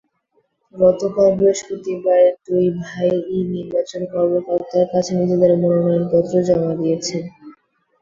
গতকাল বৃহস্পতিবার দুই ভাই-ই নির্বাচন কর্মকর্তার কাছে নিজেদের মনোনয়নপত্র জমা দিয়েছেন।